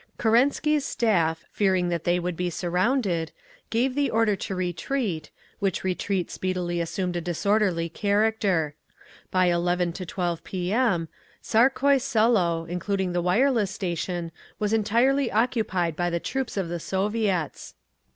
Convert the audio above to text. Kerensky's staff, fearing that they would be surrounded, gave the order to retreat, which retreat speedily assumed a disorderly character. By 11 12 P.M., Tsarkoye Selo, including the wireless station, was entirely occupied by the troops of the Soviets.